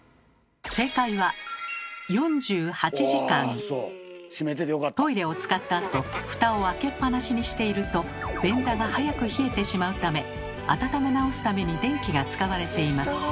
正解はトイレを使ったあとフタを開けっ放しにしていると便座が早く冷えてしまうため温め直すために電気が使われています。